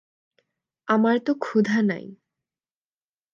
আমার তো ক্ষুধা নাই।